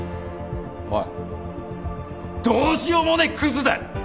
おいどうしようもねぇくずだよ。